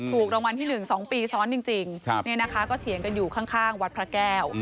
ถูกรางวัลที่๑๒ปีซ้อนจริงก็เถียงกันอยู่ข้างวัดพระแก้ว